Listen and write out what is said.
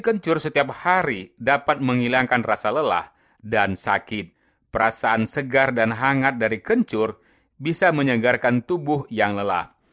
kencur setiap hari dapat menghilangkan rasa lelah dan sakit perasaan segar dan hangat dari kencur bisa menyegarkan tubuh yang lelah